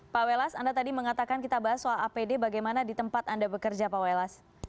pak welas anda tadi mengatakan kita bahas soal apd bagaimana di tempat anda bekerja pak welas